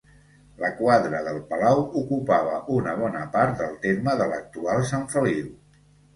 La quadra del Palau ocupava una bona part del terme de l'actual Sant Feliu.